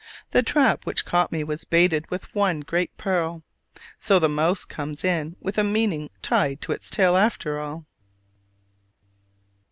The trap which caught me was baited with one great pearl. So the mouse comes in with a meaning tied to its tail after all!